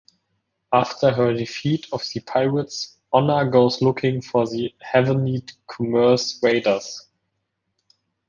After her defeat of the pirates Honor goes looking for the Havenite commerce raiders.